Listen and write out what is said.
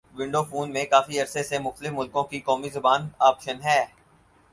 window phone میں کافی عرصے سے مختلف ملکوں کی قومی زبان آپشن ہے